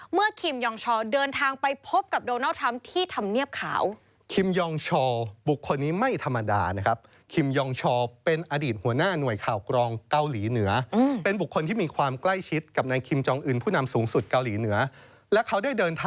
คิมยองชอเดินทางไปพบกับโดนัลด์ทรัมป์ที่ทำเนียบขาว